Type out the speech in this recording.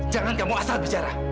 jangan kamu asal bicara